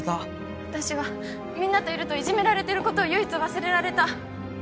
私はみんなといるといじめられてる事を唯一忘れられた。